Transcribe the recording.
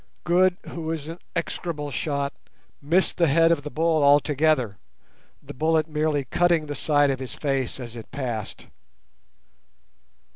Good, who is an execrable shot, missed the head of the bull altogether, the bullet merely cutting the side of his face as it passed.